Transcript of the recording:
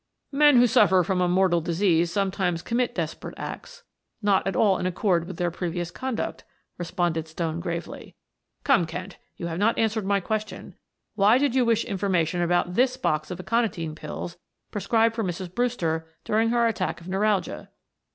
"Men who suffer from a mortal disease sometimes commit desperate acts, not at all in accord with their previous conduct," responded Stone gravely. "Come, Kent, you have not answered my question. Why did you wish information about this box of aconitine pills prescribed for Mrs. Brewster during her attack of neuralgia?"